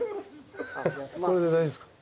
これで大丈夫っすか？